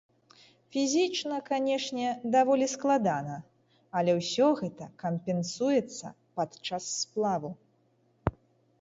Фізічна, канешне, даволі складана, але ўсё гэта кампенсуецца падчас сплаву.